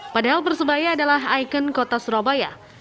padahal persebaya adalah ikon kota surabaya